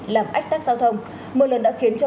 làm ách tắc giao thông mưa lớn đã khiến cho